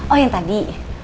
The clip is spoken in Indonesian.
oh yang tadi